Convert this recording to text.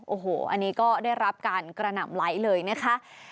โอ้โหอันนี้ก็ได้รับการกระหน่ำไหลเลยนะคะ